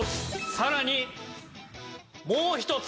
さらにもう一つ。